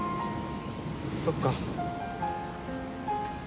そっか。